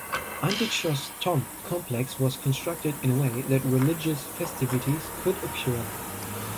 Antiochus' tomb complex was constructed in a way that religious festivities could occur there.